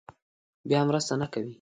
بیا مرسته نه کوي.